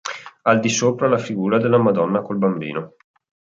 Al di sopra la figura della Madonna col Bambino.